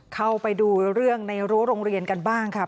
เข้าไปดูเรื่องในรั้วโรงเรียนกันบ้างค่ะ